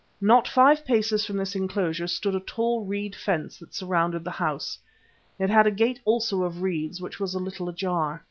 Not five paces from this enclosure stood a tall reed fence that surrounded the house. It had a gate also of reeds, which was a little ajar.